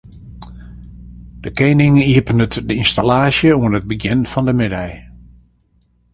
De kening iepenet de ynstallaasje oan it begjin fan de middei.